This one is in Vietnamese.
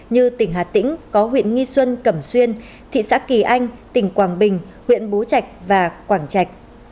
như tỉnh hà tĩnh có huyện nghi xuân cẩm xuyên thị xã kỳ anh tỉnh quảng bình huyện bố trạch và quảng trạch